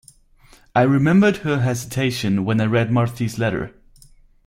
I remembered her hesitation when I read Marthe's letter.